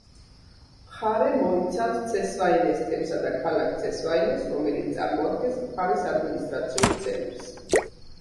მხარე მოიცავს ცესვაინეს თემსა და ქალაქ ცესვაინეს, რომელიც წარმოადგენს მხარის ადმინისტრაციულ ცენტრს.